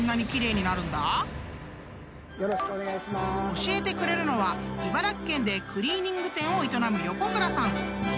［教えてくれるのは茨城県でクリーニング店を営む］